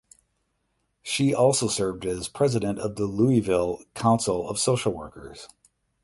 She also served as president of the Louisville Council of Social Workers.